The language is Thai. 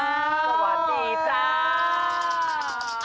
สวัสดีจ้า